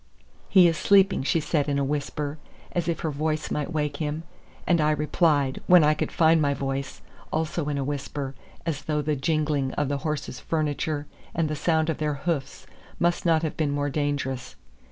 "He is sleeping," she said in a whisper, as if her voice might wake him. And I replied, when I could find my voice, also in a whisper, as though the jingling of the horses' furniture and the sound of their hoofs must not have been more dangerous.